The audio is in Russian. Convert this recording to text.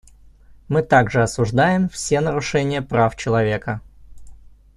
Мы также осуждаем все нарушения прав человека.